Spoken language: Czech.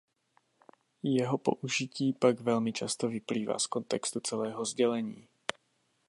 Jeho použití pak velmi často vyplývá z kontextu celého sdělení.